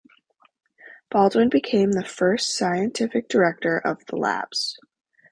Baldwin became the first scientific director of the labs.